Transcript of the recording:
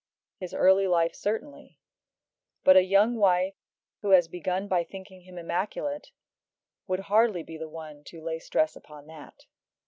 His early life, certainly; but a young wife who has begun by thinking him immaculate, would hardly be the one to lay stress upon that.